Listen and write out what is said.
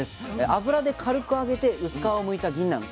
油で軽く揚げて薄皮をむいたぎんなん。